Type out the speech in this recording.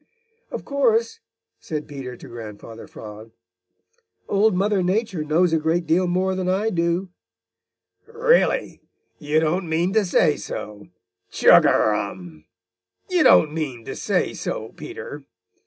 "Of course," said Peter to Grandfather Frog, "Old Mother Nature knows a great deal more than I do " "Really! You don't mean to say so! Chug a rum! You don't mean to say so, Peter!"